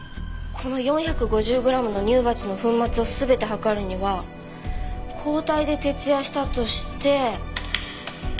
この４５０グラムの乳鉢の粉末を全て測るには交代で徹夜したとして。